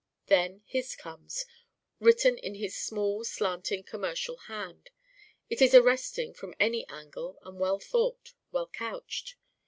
Then his comes, written in his small slanting commercial hand. It is arresting from any angle and well thought, well couched.